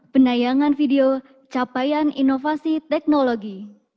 penayangan video capaian inovasi teknologi